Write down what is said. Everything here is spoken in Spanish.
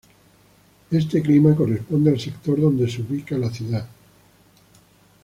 Este clima corresponde al sector donde se ubica la ciudad.